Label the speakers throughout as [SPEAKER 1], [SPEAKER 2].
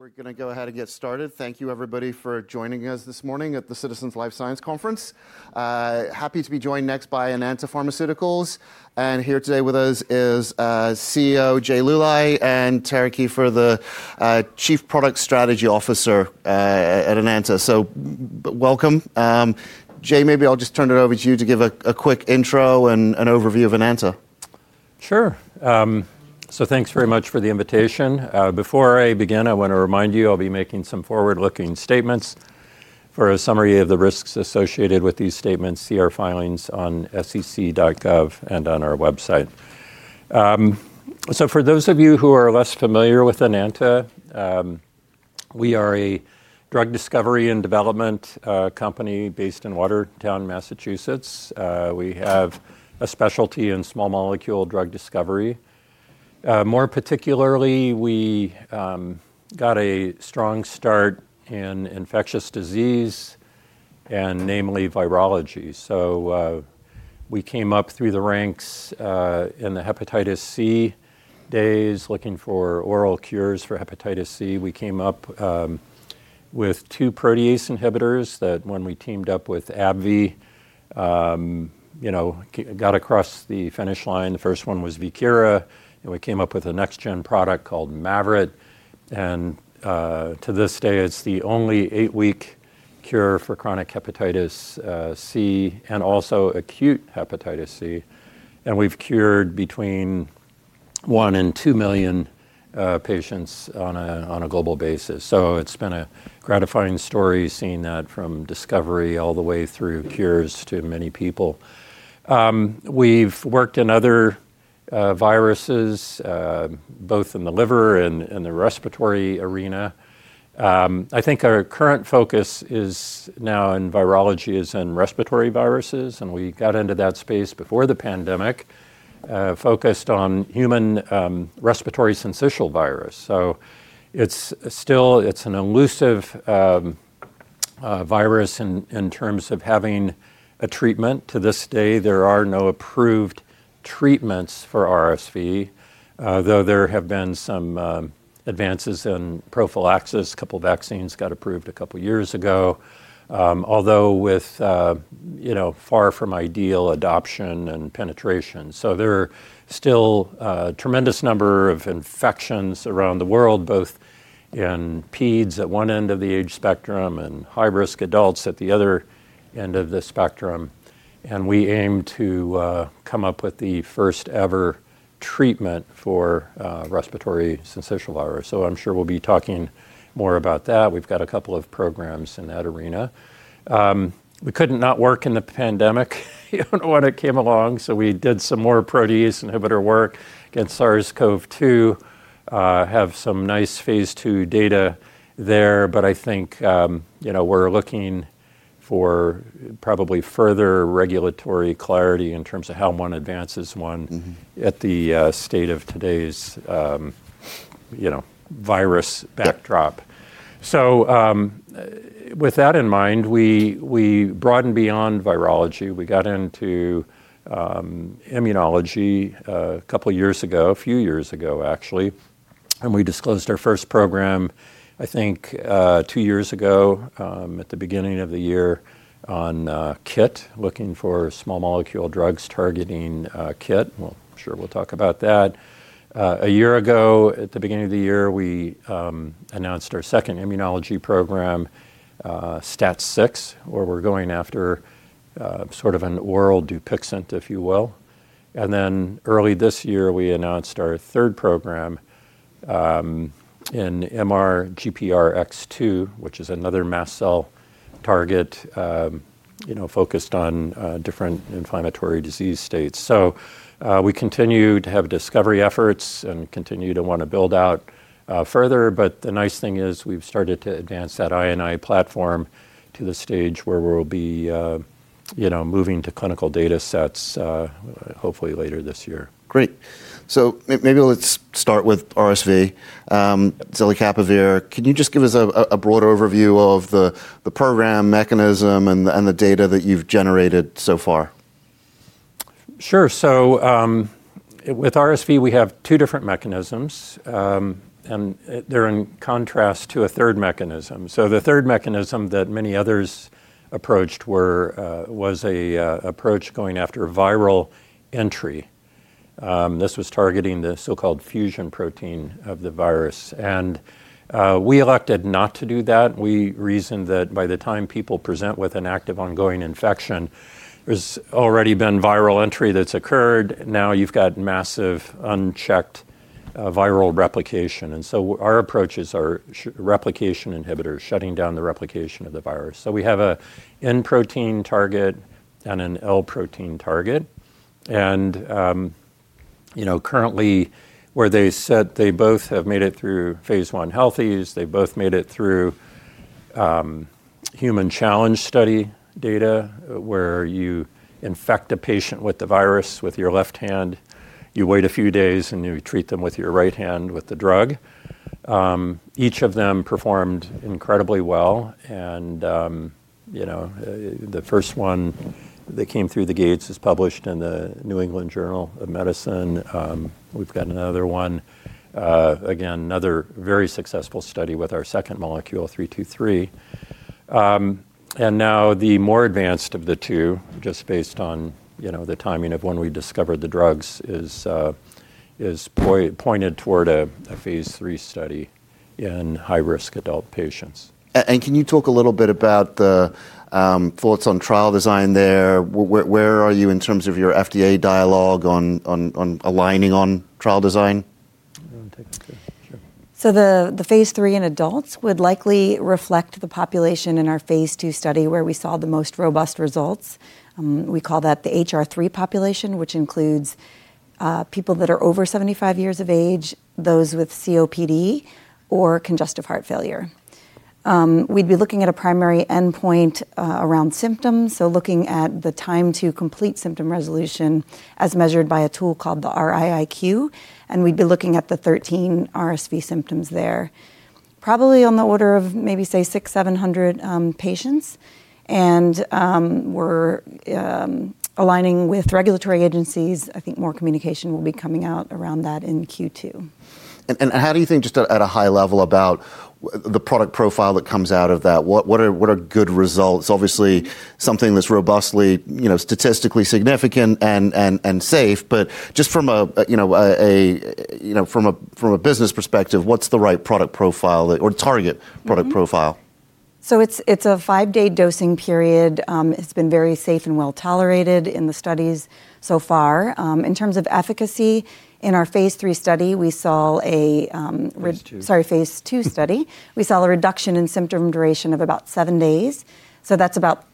[SPEAKER 1] We're going to go ahead and get started. Thank you everybody for joining us this morning at the Citizens Life Sciences Conference. Happy to be joined next by Enanta Pharmaceuticals. Here today with us is CEO Jay Luly and Tara Kieffer, the Chief Product Strategy Officer at Enanta. Welcome. Jay, maybe I'll just turn it over to you to give a quick intro and an overview of Enanta.
[SPEAKER 2] Sure. Thanks very much for the invitation. Before I begin, I want to remind you, I'll be making some forward-looking statements. For a summary of the risks associated with these statements, see our filings on SEC.gov and on our website. For those of you who are less familiar with Enanta, we are a drug discovery and development company based in Watertown, Massachusetts. We have a specialty in small molecule drug discovery. More particularly, we got a strong start in infectious disease and namely virology. We came up through the ranks in the hepatitis C days looking for oral cures for hepatitis C. We came up with two protease inhibitors that when we teamed up with Abbvie got across the finish line. The first one was VIEKIRA PAK, and we came up with a next-gen product called MAVYRET. To this day, it's the only 8-week cure for chronic hepatitis C and also acute hepatitis C. We've cured between 1 and 2 million patients on a global basis. It's been a gratifying story seeing that from discovery all the way through cures to many people. We've worked in other viruses both in the liver and the respiratory arena. I think our current focus now in virology is in respiratory viruses, and we got into that space before the pandemic, focused on human respiratory syncytial virus. It's still an elusive virus in terms of having a treatment. To this day, there are no approved treatments for RSV. Though there have been some advances in prophylaxis, a couple vaccines got approved a couple years ago. Although with far from ideal adoption and penetration. There are still a tremendous number of infections around the world, both in peds at one end of the age spectrum and high risk adults at the other end of the spectrum. We aim to come up with the first ever treatment for respiratory syncytial virus. I'm sure we'll be talking more about that. We've got a couple of programs in that arena. We couldn't not work in the pandemic when it came along, so we did some more protease inhibitor work against SARS-CoV-2. Have some nice Phase two data there. I think we're looking for probably further regulatory clarity in terms of how one advances one.
[SPEAKER 1] Mm-hmm
[SPEAKER 2] At the state of today's virus backdrop.
[SPEAKER 1] Yeah.
[SPEAKER 2] With that in mind, we broadened beyond virology. We got into immunology a couple years ago, a few years ago, actually. We disclosed our first program, I think, two years ago, at the beginning of the year on KIT, looking for small molecule drugs targeting KIT. Well, I'm sure we'll talk about that. A year ago, at the beginning of the year, we announced our second immunology program, STAT6, where we're going after sort of an oral Dupixent, if you will. Early this year, we announced our third program in MRGPRX2, which is another mast cell target focused on different inflammatory disease states. We continue to have discovery efforts and continue to want to build out further, but the nice thing is we've started to advance that I&I platform to the stage where we'll be moving to clinical data sets, hopefully later this year.
[SPEAKER 1] Great. Maybe let's start with RSV, zelicapavir. Can you just give us a broad overview of the program mechanism and the data that you've generated so far?
[SPEAKER 2] Sure. With RSV, we have two different mechanisms, and they're in contrast to a third mechanism. The third mechanism that many others approached was an approach going after viral entry. This was targeting the so-called fusion protein of the virus. We elected not to do that. We reasoned that by the time people present with an active ongoing infection, there's already been viral entry that's occurred. Now you've got massive unchecked viral replication. Our approaches are replication inhibitors, shutting down the replication of the virus. We have an N protein target and an L protein target. Currently, both have made it through Phase I healthy volunteers. They both made it through human challenge study data, where you infect a patient with the virus with your left hand, you wait a few days, and you treat them with your right hand with the drug. Each of them performed incredibly well and the first one that came through the gates is published in The New England Journal of Medicine. We've got another one, again, another very successful study with our second molecule, EDP-323. Now the more advanced of the two, just based on the timing of when we discovered the drugs, is pointed toward a Phase III study in high-risk adult patients.
[SPEAKER 1] Can you talk a little bit about the, thoughts on trial design there? Where are you in terms of your FDA dialogue on aligning on trial design?
[SPEAKER 2] You want to take that too? Sure.
[SPEAKER 3] The Phase three in adults would likely reflect the population in our Phase two study where we saw the most robust results. We call that the HR3 population, which includes people that are over 75 years of age, those with COPD or congestive heart failure. We'd be looking at a primary endpoint around symptoms, so looking at the time to complete symptom resolution as measured by a tool called the RiiQ, and we'd be looking at the 13 RSV symptoms there. Probably on the order of maybe say 600-700 patients. We're aligning with regulatory agencies. I think more communication will be coming out around that in Q2.
[SPEAKER 1] How do you think just at a high level about the product profile that comes out of that? What are good results? Obviously, something that's robustly statistically significant and safe, but just from a from a business perspective, what's the right product profile or target product profile?
[SPEAKER 3] It's a 5-day dosing period. It's been very safe and well-tolerated in the studies so far. In terms of efficacy, in our Phase III study, we saw a
[SPEAKER 2] Phase II.
[SPEAKER 3] Phase II study, we saw a reduction in symptom duration of about seven days. That's about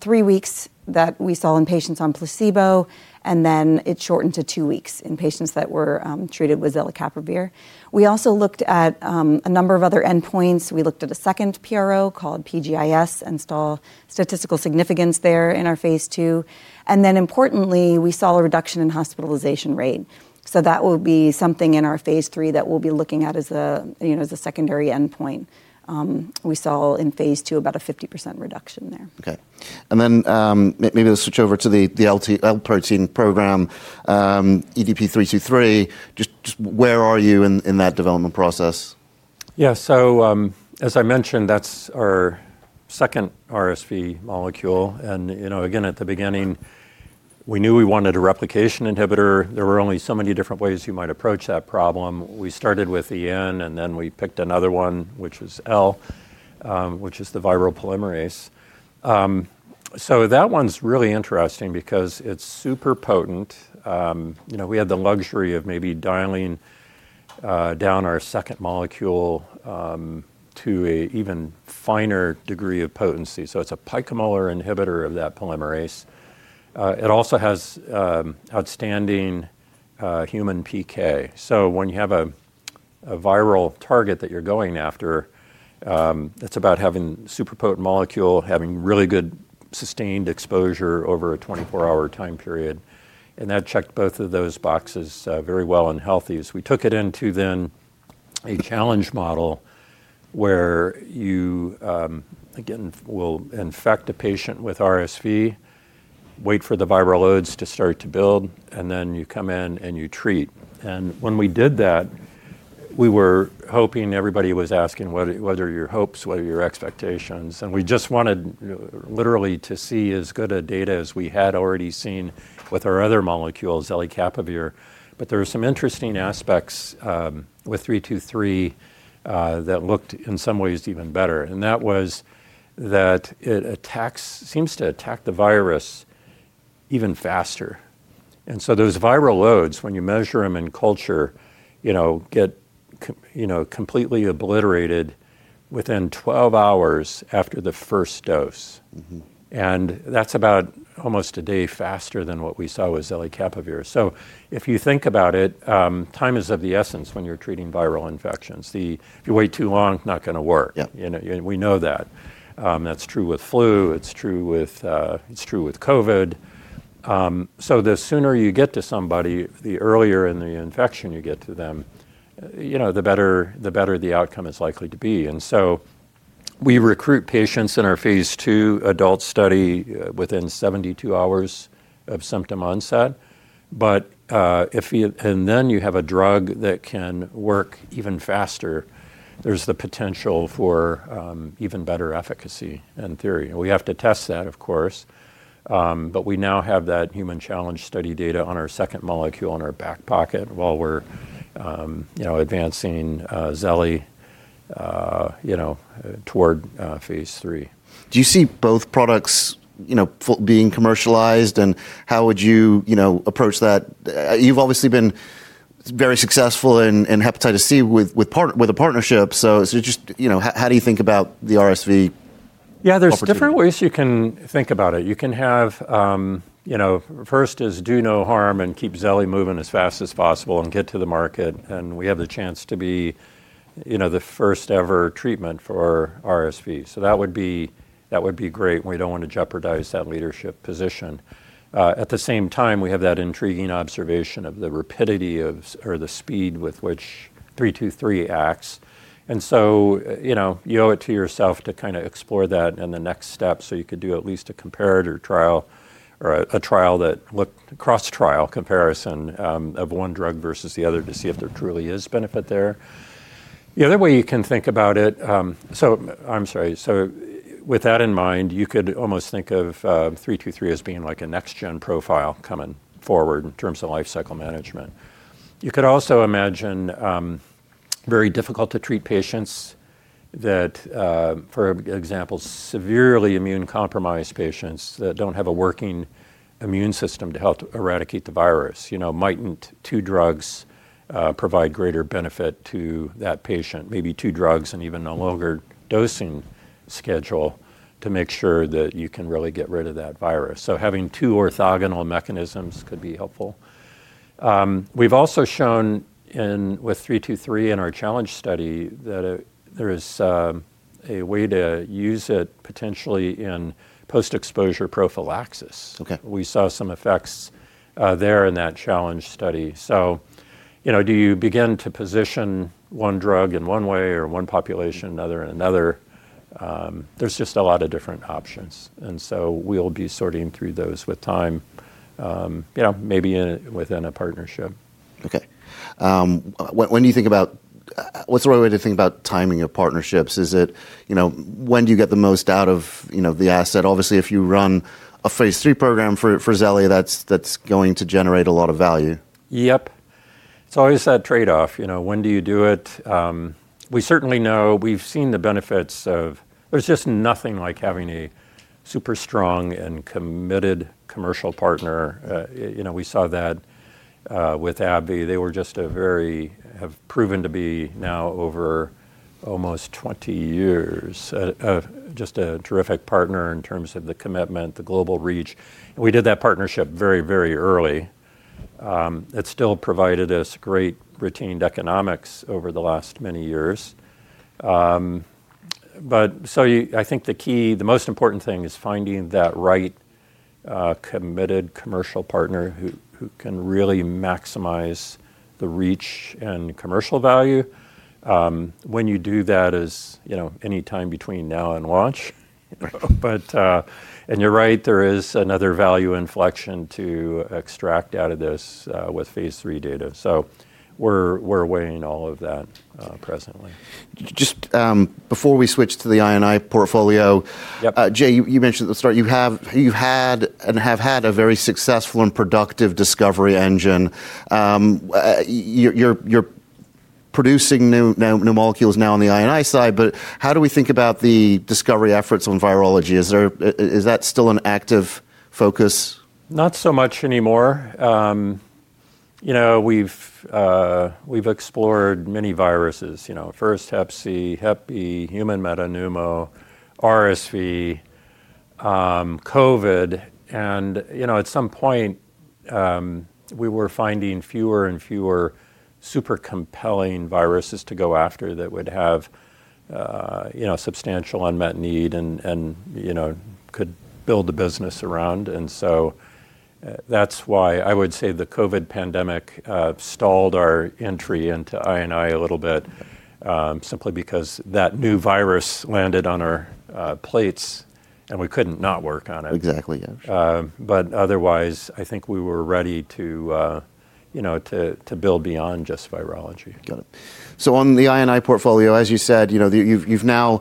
[SPEAKER 3] three weeks that we saw in patients on placebo, and then it shortened to two weeks in patients that were treated with zelicapavir. We also looked at a number of other endpoints. We looked at a second PRO called PGIS and saw statistical significance there in our Phase II. Importantly, we saw a reduction in hospitalization rate. That will be something in our Phase III that we'll be looking at as a as a secondary endpoint. We saw in Phase II about a 50% reduction there.
[SPEAKER 1] Maybe let's switch over to the L protein program, EDP-323. Just where are you in that development process?
[SPEAKER 2] Yeah. As I mentioned, that's our second RSV molecule. Again, at the beginning, we knew we wanted a replication inhibitor. There were only so many different ways you might approach that problem. We started with N, and then we picked another one, which is L, which is the viral polymerase. That one's really interesting because it's super potent. We had the luxury of maybe dialing down our second molecule to an even finer degree of potency. It's a picomolar inhibitor of that polymerase. It also has outstanding human PK. When you have a viral target that you're going after, it's about having super potent molecule, having really good sustained exposure over a 24-hour time period, and that checked both of those boxes very well in healthy. As we took it into the challenge model where you again will infect a patient with RSV, wait for the viral loads to start to build, and then you come in and you treat. When we did that, we were hoping everybody was asking, "What are your hopes? What are your expectations?" We just wanted literally to see as good a data as we had already seen with our other molecule, zelicapavir. There are some interesting aspects with EDP-323 that looked in some ways even better, and that was that it seems to attack the virus even faster. Those viral loads, when you measure them in culture, get completely obliterated within 12 hours after the first dose.
[SPEAKER 1] Mm-hmm.
[SPEAKER 2] That's about almost a day faster than what we saw with zelicapavir. If you think about it, time is of the essence when you're treating viral infections. If you wait too long, it's not going to work.
[SPEAKER 1] Yeah.
[SPEAKER 2] we know that. That's true with flu, it's true with COVID. The sooner you get to somebody, the earlier in the infection you get to them the better the outcome is likely to be. We recruit patients in our Phase II adult study within 72 hours of symptom onset. You have a drug that can work even faster, there's the potential for even better efficacy in theory. We have to test that, of course. We now have that human challenge study data on our second molecule in our back pocket while we're advancing zelicapavir toward Phase III.
[SPEAKER 1] Do you see both products being commercialized, and how would approach that? You've obviously been very successful in hepatitis C with a partnership. just how do you think about the RSV opportunity?
[SPEAKER 2] Yeah, there's different ways you can think about it. You can have first is do no harm and keep zelicapavir moving as fast as possible and get to the market, and we have the chance to be the first ever treatment for RSV. That would be great, and we don't want to jeopardize that leadership position. At the same time, we have that intriguing observation of the rapidity of, or the speed with which EDP-323 acts. You owe it to yourself to kind of explore that in the next step, so you could do at least a comparator trial or a trial that cross-trial comparison of one drug versus the other to see if there truly is benefit there. The other way you can think about it, I'm sorry. With that in mind, you could almost think of 323 as being like a next-gen profile coming forward in terms of lifecycle management. You could also imagine very difficult to treat patients that, for example, severely immunocompromised patients that don't have a working immune system to help eradicate the virus. Mightn't two drugs provide greater benefit to that patient, maybe two drugs and even a longer dosing schedule to make sure that you can really get rid of that virus. Having two orthogonal mechanisms could be helpful. We've also shown with 323 in our challenge study that there is a way to use it potentially in post-exposure prophylaxis.
[SPEAKER 1] Okay.
[SPEAKER 2] We saw some effects there in that challenge study. Do you begin to position one drug in one way or one population, another in another? There's just a lot of different options, and so we'll be sorting through those with time maybe within a partnership.
[SPEAKER 1] When you think about what's the right way to think about timing of partnerships? Is it when do you get the most out of the asset? Obviously, if you run a Phase three program for zelicapavir, that's going to generate a lot of value.
[SPEAKER 2] Yep. It's always that trade-off when do you do it? We certainly know we've seen the benefits. There's just nothing like having a super strong and committed commercial partner. We saw that with AbbVie. They have proven to be now over almost 20 years, just a terrific partner in terms of the commitment, the global reach. We did that partnership very, very early. It still provided us great retained economics over the last many years. I think the key, the most important thing is finding that right, committed commercial partner who can really maximize the reach and commercial value. When you do that is anytime between now and launch. You're right, there is another value inflection to extract out of this with Phase three data. We're weighing all of that presently.
[SPEAKER 1] Just, before we switch to the I&I portfolio.
[SPEAKER 2] Yep.
[SPEAKER 1] Jay, you mentioned at the start you have had and have had a very successful and productive discovery engine. You're producing new molecules now on the I&I side, but how do we think about the discovery efforts on virology? Is that still an active focus?
[SPEAKER 2] Not so much anymore. We've explored many viruses first Hep C, Hep E, human metapneumovirus, RSV, COVID. At some point, we were finding fewer and fewer super compelling viruses to go after that would have substantial unmet need and could build a business around. That's why I would say the COVID pandemic stalled our entry into I&I a little bit, simply because that new virus landed on our plates, and we couldn't not work on it.
[SPEAKER 1] Exactly, yeah.
[SPEAKER 2] Otherwise, I think we were ready to build beyond just virology.
[SPEAKER 1] Got it. On the I&I portfolio, as you said you've now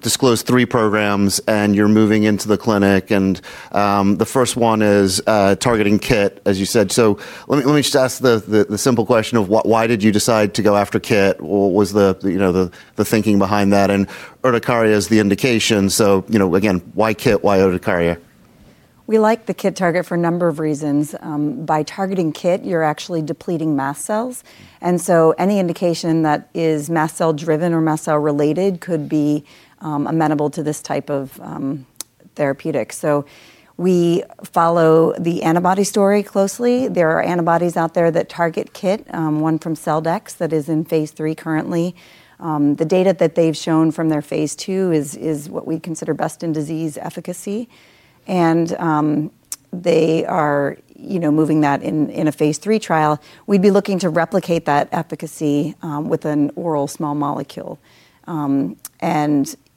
[SPEAKER 1] disclosed three programs, and you're moving into the clinic, and the first one is targeting KIT, as you said. Let me just ask the simple question of why did you decide to go after KIT? What was the the thinking behind that? Urticaria is the indication. Again, why KIT? Why urticaria?
[SPEAKER 3] We like the KIT target for a number of reasons. By targeting KIT, you're actually depleting mast cells. Any indication that is mast cell driven or mast cell related could be amenable to this type of therapeutic. We follow the antibody story closely. There are antibodies out there that target KIT, one from Celldex that is in Phase three currently. The data that they've shown from their Phase two is what we consider best in disease efficacy. They are moving that in a Phase three trial. We'd be looking to replicate that efficacy with an oral small molecule.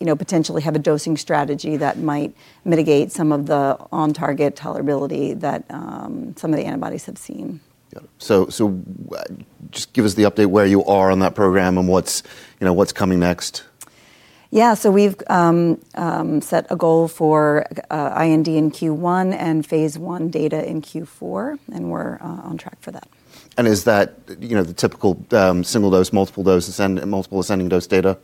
[SPEAKER 3] Potentially have a dosing strategy that might mitigate some of the on target tolerability that some of the antibodies have seen.
[SPEAKER 1] Yeah. Just give us the update where you are on that program and what's what's coming next.
[SPEAKER 3] Yeah. We've set a goal for IND in Q1 and Phase I data in Q4, and we're on track for that.
[SPEAKER 1] Is that the typical single ascending dose, multiple ascending dose data?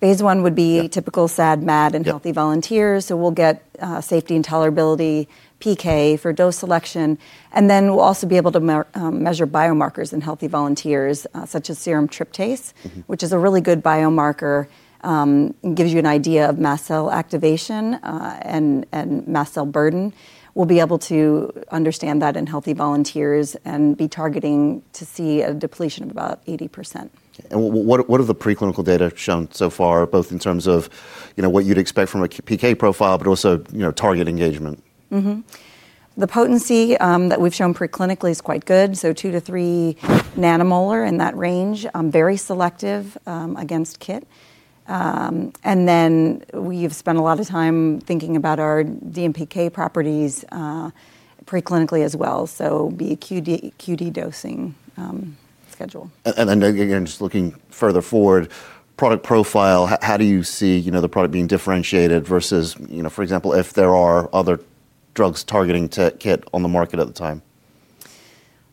[SPEAKER 3] Phase I would be.
[SPEAKER 1] Yeah
[SPEAKER 3] typical SAD, MAD
[SPEAKER 1] Yeah
[SPEAKER 3] healthy volunteers. We'll get safety and tolerability, PK for dose selection, and then we'll also be able to measure biomarkers in healthy volunteers, such as serum tryptase.
[SPEAKER 1] Mm-hmm.
[SPEAKER 3] Which is a really good biomarker. Gives you an idea of mast cell activation, and mast cell burden. We'll be able to understand that in healthy volunteers and be targeting to see a depletion of about 80%.
[SPEAKER 1] What have the preclinical data shown so far, both in terms of what you'd expect from a PK profile, but also target engagement?
[SPEAKER 3] The potency that we've shown preclinically is quite good, so 2-3 nanomolar, in that range. Very selective against KIT. We've spent a lot of time thinking about our DMPK properties preclinically as well, so be QD dosing schedule.
[SPEAKER 1] Again, just looking further forward, product profile, how do you see the product being differentiated versus for example, if there are other drugs targeting to KIT on the market at the time?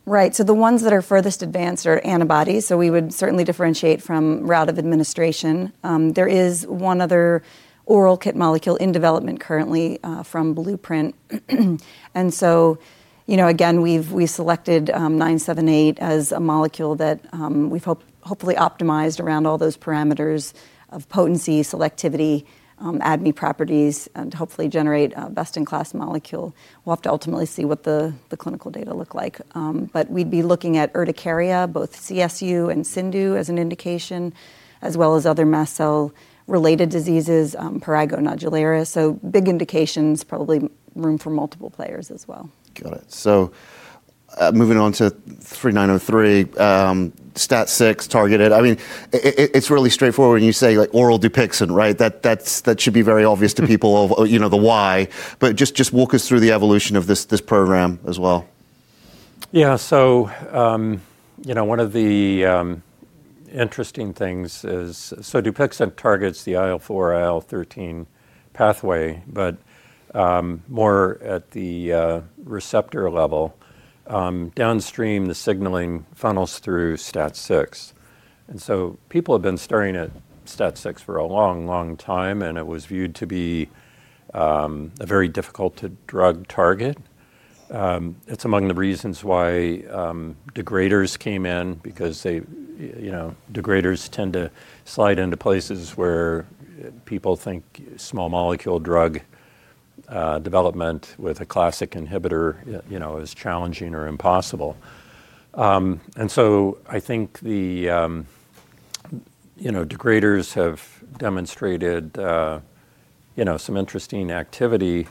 [SPEAKER 3] Right. The ones that are furthest advanced are antibodies, so we would certainly differentiate from route of administration. There is one other oral KIT molecule in development currently, from Blueprint Medicines. Again, we selected EDP-978 as a molecule that we've hopefully optimized around all those parameters of potency, selectivity, ADME properties and hopefully generate a best-in-class molecule. We'll have to ultimately see what the clinical data look like. We'd be looking at urticaria, both CSU and CIndU as an indication, as well as other mast cell-related diseases, prurigo nodularis. Big indications, probably room for multiple players as well.
[SPEAKER 1] Got it. Moving on to EDP-3903, STAT6-targeted. I mean, it's really straightforward when you say, like, oral Dupixent, right? That's, that should be very obvious to people of the why. Just walk us through the evolution of this program as well.
[SPEAKER 2] yeah one of the interesting things is so Dupixent targets the IL-4, IL-13 pathway, but more at the receptor level. Downstream, the signaling funnels through STAT6. People have been staring at STAT6 for a long, long time, and it was viewed to be a very difficult to drug target. It's among the reasons why degraders came in because they you know tend to slide into places where people think small molecule drug development with a classic inhibitor you know is challenging or impossible. I think the you know degraders have demonstrated you know some interesting activity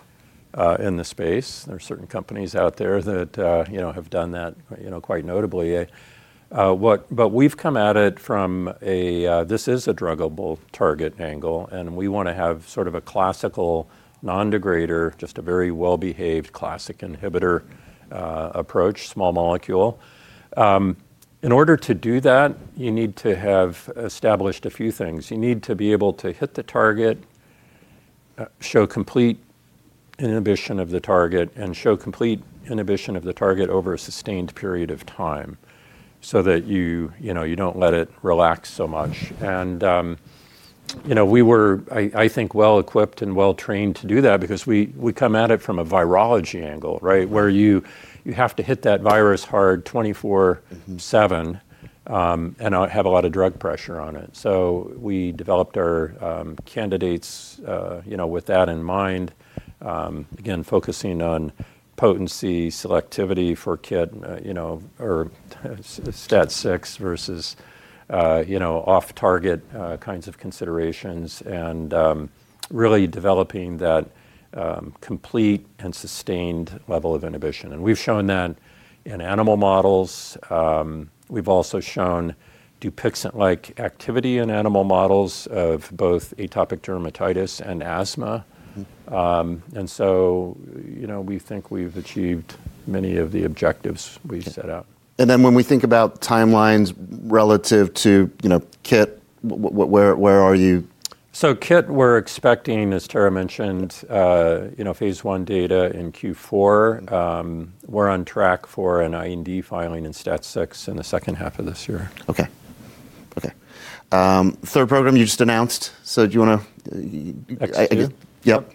[SPEAKER 2] in the space. There are certain companies out there that you know have done that quite notably. We've come at it from a this is a druggable target angle, and we want to have sort of a classical non-degrader, just a very well-behaved classic inhibitor approach, small molecule. In order to do that, you need to have established a few things. You need to be able to hit the target, show complete inhibition of the target, and show complete inhibition of the target over a sustained period of time so that you know you don't let it relax so much. We were I think well equipped and well trained to do that because we come at it from a virology angle, right? Where you have to hit that virus hard 24/7.
[SPEAKER 1] Mm-hmm
[SPEAKER 2] have a lot of drug pressure on it. We developed our candidates with that in mind, again, focusing on potency, selectivity for kit or STAT6 versus off-target kinds of considerations and, really developing that complete and sustained level of inhibition. We've shown that in animal models. We've also shown Dupixent-like activity in animal models of both atopic dermatitis and asthma.
[SPEAKER 1] Mm-hmm.
[SPEAKER 2] we think we've achieved many of the objectives we set out.
[SPEAKER 1] When we think about timelines relative to KIT, where are you?
[SPEAKER 2] KIT, we're expecting, as Tara mentioned Phase one data in Q4. We're on track for an IND filing in STAT6 in the second half of this year.
[SPEAKER 1] Okay. Third program you just announced, so do you want to-
[SPEAKER 2] MRGPRX2
[SPEAKER 1] Yep.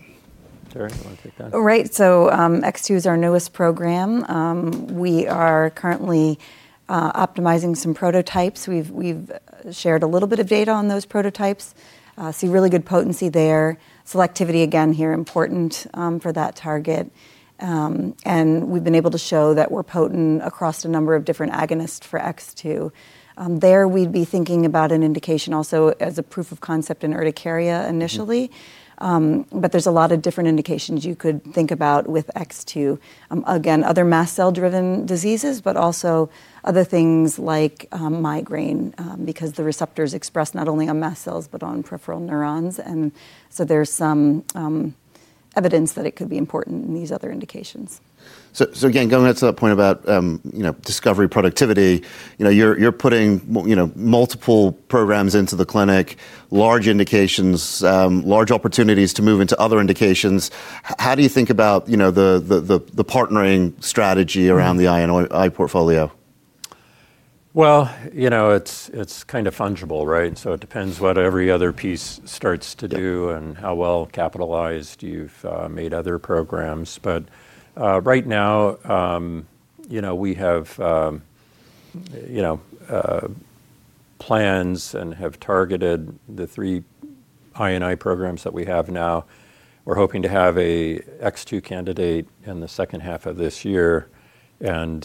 [SPEAKER 2] Tara, you want to take that?
[SPEAKER 3] Right. MRGPRX2 is our newest program. We are currently optimizing some prototypes. We've shared a little bit of data on those prototypes. We see really good potency there. Selectivity, again, is important here for that target. We've been able to show that we're potent across a number of different agonists for MRGPRX2. There, we'd be thinking about an indication also as a proof of concept in urticaria initially.
[SPEAKER 1] Mm-hmm.
[SPEAKER 3] There's a lot of different indications you could think about with MRGPRX2. Again, other mast cell-driven diseases, but also other things like migraine, because the receptor's expressed not only on mast cells but on peripheral neurons. There's some evidence that it could be important in these other indications.
[SPEAKER 1] Going back to that point about discovery productivity you're putting multiple programs into the clinic, large indications, large opportunities to move into other indications. How do you think about the partnering strategy around the I&I portfolio?
[SPEAKER 2] well it's kind of fungible, right? It depends what every other piece starts to do and how well capitalized you've made other programs. Right now, we have plans and have targeted the three I&I programs that we have now. We're hoping to have a MRGPRX2 candidate in the second half of this year and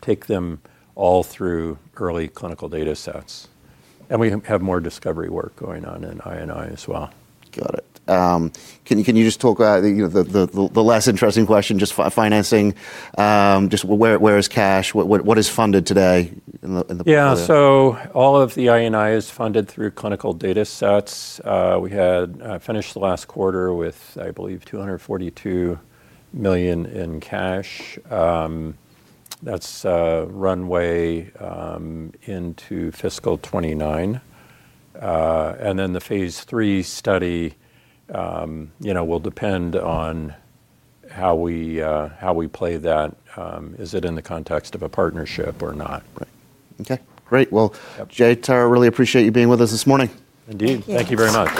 [SPEAKER 2] take them all through early clinical data sets. We have more discovery work going on in I&I as well.
[SPEAKER 1] Got it. Can you just talk about the the less interesting question, just financing? Just where is cash? What is funded today in the
[SPEAKER 2] All of the I&I is funded through clinical data sets. We had finished the last quarter with, I believe, $242 million in cash. That's a runway into fiscal 2029. The Phase III study will depend on how we play that. Is it in the context of a partnership or not?
[SPEAKER 1] Right. Okay, great. Well
[SPEAKER 2] Yep
[SPEAKER 1] Jay, Tara, I really appreciate you being with us this morning.
[SPEAKER 2] Indeed.
[SPEAKER 3] Thank you.
[SPEAKER 2] Thank you very much.